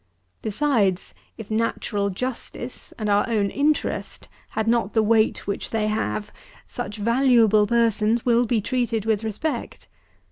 Besides, if natural justice and our own interest had not the weight which they have, such valuable persons will be treated with respect.